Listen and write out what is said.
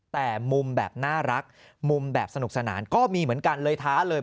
แต่มุมแบบน่ารักมุมแบบสนุกสนานก็มีเหมือนกันเลยท้าเลย